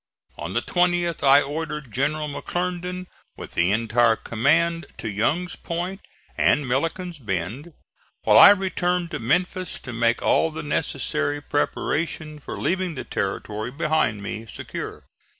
On the 20th I ordered General McClernand with the entire command, to Young's Point and Milliken's Bend, while I returned to Memphis to make all the necessary preparation for leaving the territory behind me secure.